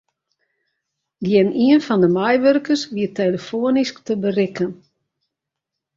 Gjinien fan de meiwurkers wie telefoanysk te berikken.